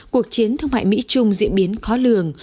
cuộc chiến thương mại mỹ trung diễn biến khó lường